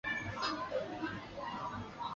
死后赠太子少保。